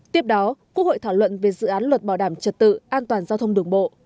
tiếp đó quốc hội thảo luận về dự án luật bảo đảm trật tự an toàn giao thông đường bộ